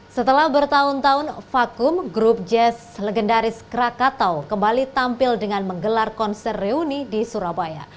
setelah bertahun tahun vakum grup jazz legendaris krakatau kembali tampil dengan menggelar konser reuni di surabaya